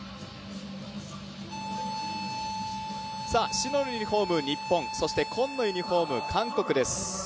白のユニフォーム、日本、紺のユニフォーム、韓国です。